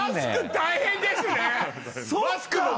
大変です。